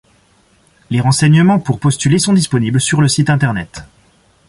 Les renseignements pour postuler sont disponibles sur le site internet.